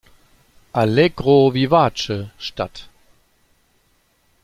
Allegro Vivace" statt.